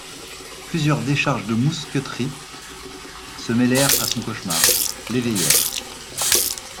Plusieurs décharges de mousqueterie se mêlèrent à son cauchemar, l'éveillèrent.